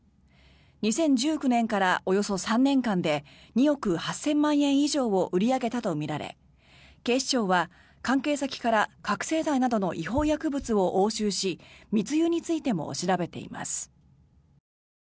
２０１９年からおよそ３年間で２億８０００万円以上を売り上げたとみられ警視庁は関係先から覚醒剤などの違法薬物を押収し密輸についても調べています。